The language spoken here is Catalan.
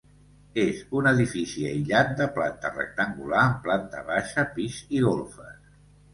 És un edifici aïllat de planta rectangular amb planta baixa, pis i golfes.